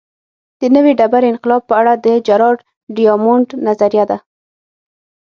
د نوې ډبرې انقلاب په اړه د جراډ ډیامونډ نظریه ده